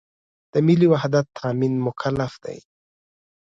د ملي وحدت تأمین مکلف دی.